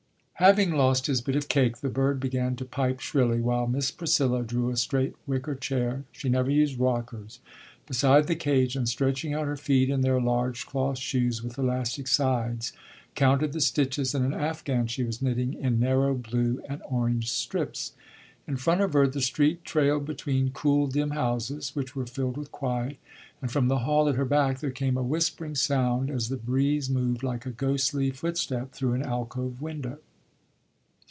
Having lost his bit of cake, the bird began to pipe shrilly, while Miss Priscilla drew a straight wicker chair (she never used rockers) beside the cage, and, stretching out her feet in their large cloth shoes with elastic sides, counted the stitches in an afghan she was knitting in narrow blue and orange strips. In front of her, the street trailed between cool, dim houses which were filled with quiet, and from the hall at her back there came a whispering sound as the breeze moved like a ghostly footstep through an alcove window.